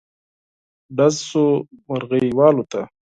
ډز شو، مرغی والوته.